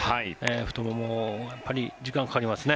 太もも、時間かかりますね。